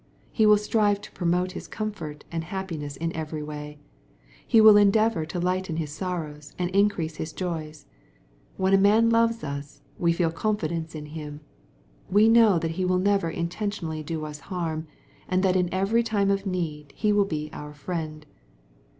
He will strive to promote his comfort and happiness in every way. He will endeavor to lighten his sorrows, and increase his joys. When a man loves us, we feel confidence in him. We know that he will never intentionally do Tis harm, and that in every time of need he will be our friend.